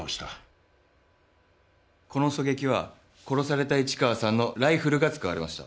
この狙撃は殺された市川さんのライフルが使われました。